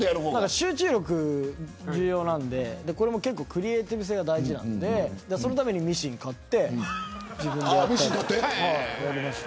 集中力が重要なのでこれもクリエーティブ性が大事なのでそのためにミシン買って自分でやりました。